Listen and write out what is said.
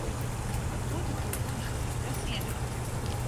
Ar ko tu tur runā? Kas ienāca?